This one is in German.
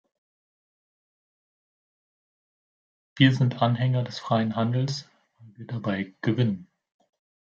Wir sind Anhänger des freien Handels, weil wir dabei gewinnen.